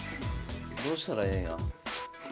どうしたらええんや。